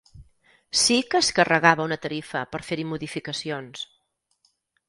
Sí que es carregava una tarifa per fer-hi modificacions.